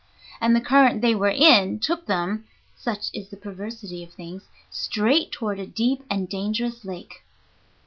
And the current they were in took them (such is the perversity of things) straight toward a deep and dangerous lake.